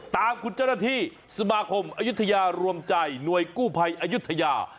ตามคุณเจ้าหน้าที่สมาคมอายุทยารวมใจหน่วยกู้ภัยอายุทยา